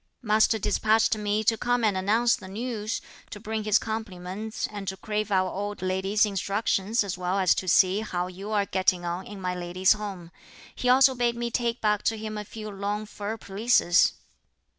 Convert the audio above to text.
Master despatched me to come and announce the news, to bring his compliments, and to crave our old lady's instructions as well as to see how you are getting on in my lady's home. He also bade me take back to him a few long fur pelisses."